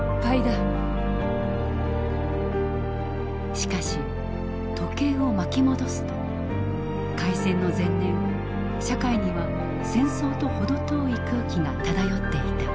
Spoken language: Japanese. しかし時計を巻き戻すと開戦の前年社会には戦争と程遠い空気が漂っていた。